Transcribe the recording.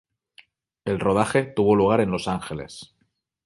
El rodaje tuvo lugar en Los Ángeles.